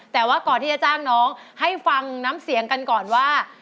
แต่ว่าก่อนที่จะจ้างน้องให้ฟังน้ำเสียงกันก่อนว่า